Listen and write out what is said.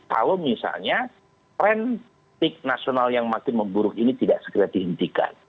kalau misalnya tren petik nasional yang makin memburuk ini tidak segera dihentikan